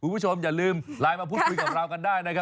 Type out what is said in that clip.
คุณผู้ชมอย่าลืมไลน์มาพูดคุยกับเรากันได้นะครับ